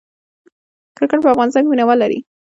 کرکټ په افغانستان کې مینه وال لري